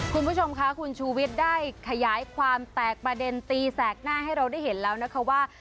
คุณผู้ชมค่ะคุณชูวิทย์ได้ขยายความแตกประเด็นตีแสกหน้าให้เราได้เห็นแล้วนะคะว่า